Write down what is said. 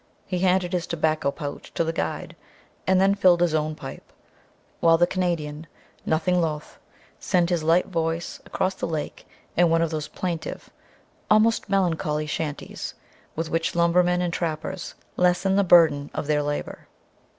He handed his tobacco pouch to the guide and then filled his own pipe, while the Canadian, nothing loth, sent his light voice across the lake in one of those plaintive, almost melancholy chanties with which lumbermen and trappers lessen the burden of their labor.